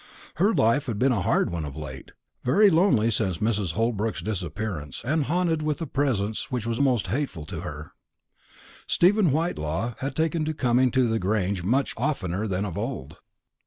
Her life had been a hard one of late, very lonely since Mrs. Holbrook's disappearance, and haunted with a presence which was most hateful to her. Stephen Whitelaw had taken to coming to the Grange much oftener than of old.